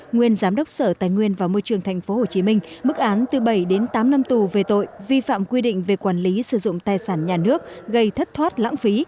nguyên giám đốc sở tài nguyên và môi trường tp hcm mức án từ bảy đến tám năm tù về tội vi phạm quy định về quản lý sử dụng tài sản nhà nước gây thất thoát lãng phí